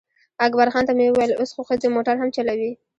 اکبرخان ته مې وویل اوس خو ښځې موټر هم چلوي.